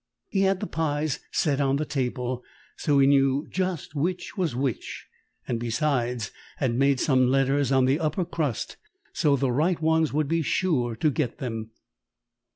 He had the pies set on the table so he knew just which was which, and besides had made some letters on the upper crust so the right ones would be sure to get them.